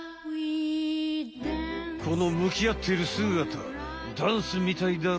このむきあっているすがたダンスみたいだろ？